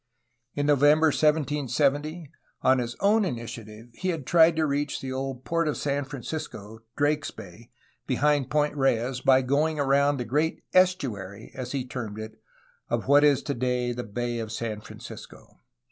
In November 1770, on his own initiative, he had tried to reach the old ^Tort of San Francisco" (Drake's Bay) behind Point Reyes by going around the great estuary, as he termed it, of what is today the Bay of San Francisco.